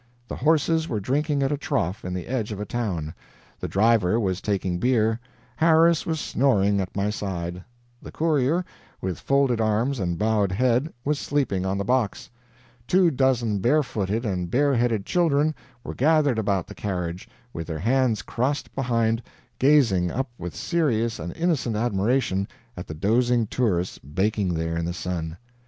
The horses were drinking at a trough in the edge of a town, the driver was taking beer, Harris was snoring at my side, the courier, with folded arms and bowed head, was sleeping on the box, two dozen barefooted and bareheaded children were gathered about the carriage, with their hands crossed behind, gazing up with serious and innocent admiration at the dozing tourists baking there in the sun.